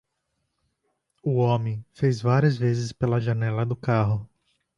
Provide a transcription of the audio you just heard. O homem fez várias vezes pela janela do carro.